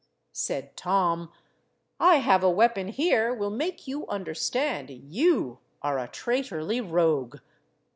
Said Tom— "I have a weapon here will make you understand you are a traitorly rogue."